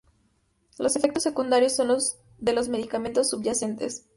Los efectos secundarios son los de los medicamentos subyacentes.